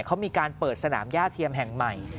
เขามีการเปิดสนามย่าเทียมแห่งใหม่